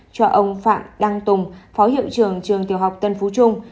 cho ông phạm đăng tùng phó hiệu trường trường tiểu học tân phú trung